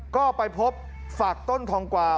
ก็ไปพบฝักต้นทองกวา